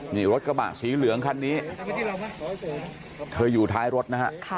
นี่รถกระบะสีเหลืองคันนี้เธออยู่ท้ายรถนะฮะ